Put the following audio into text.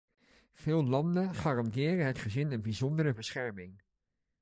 Veel landen garanderen het gezin een bijzondere bescherming.